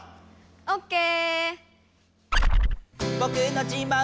オッケー。